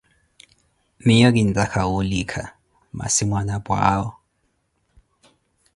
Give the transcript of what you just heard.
Miiyo kintta woulika, massi mwanapwa awo